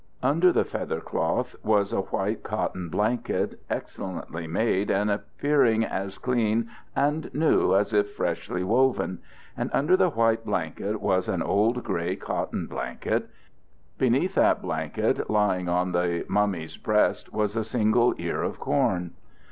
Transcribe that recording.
Under the feather cloth was a white cotton blanket, excellently made and appearing as clean and new as if freshly woven; and under the white blanket was an old gray cotton blanket. Beneath that blanket, lying on the mummy's breast, was a single ear of corn.